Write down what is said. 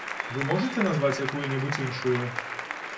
Вы можаце назваць якую-небудзь іншую?